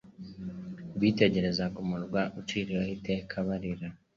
bitegerezaga umurwa uciriweho iteka barira.